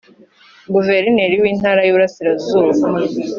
Guverineri w’Intara y’Uburasirazuba